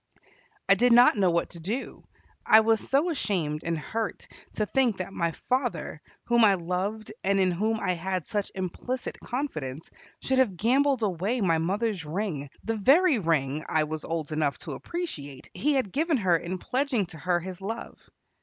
I did not know what to do. I was so ashamed and hurt to think that my father, whom I loved and in whom I had such implicit confidence, should have gambled away my mother's ring, the very ring I was old enough to appreciate he had given her in pledging to her his love.